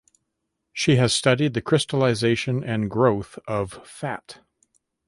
She has studied the crystallisation and growth of fat.